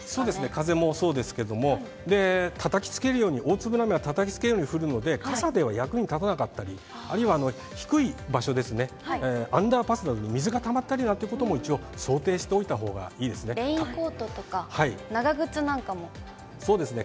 風もそうですけれども、たたきつけるように、大粒の雨がたたきつけるように降るので、傘では役に立たなかったり、あるいは低い場所ですね、アンダーパスなどで水がたまったりなんてことも一応、レインコートとか、長靴なんそうですね。